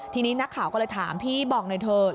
ทีนี้นักข่าวก็เลยถามพี่บอกหน่อยเถอะ